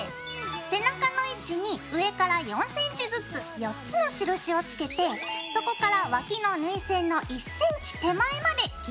背中の位置に上から４ｃｍずつ４つの印をつけてそこからわきの縫い線の１ｃｍ手前まで切り込みを入れます。